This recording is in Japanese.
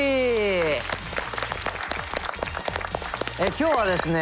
今日はですね